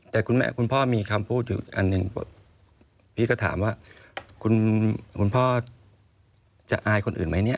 แต่คุณพ่อมีคำพูดอยู่อันหนึ่งพี่ก็ถามว่าคุณพ่อจะอายคนอื่นไหมเนี่ย